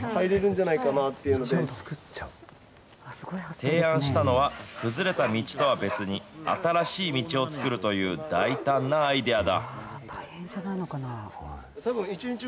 提案したのは、崩れた道とは別に、新しい道を作るという大胆なアイデアだ。